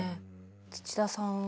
土田さんは？